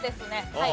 はい。